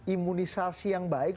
imunisasi yang baik